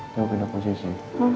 coba pindah posisi